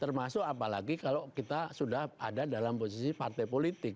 termasuk apalagi kalau kita sudah ada dalam posisi partai politik